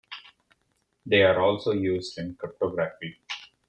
They are also used in cryptography.